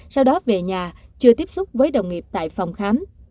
sau đó về nhà chưa tiếp xúc với đồng nghiệp tại phòng khám